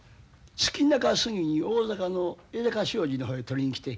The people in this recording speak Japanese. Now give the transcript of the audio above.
月中過ぎに大阪の江坂商事の方へ取りに来て。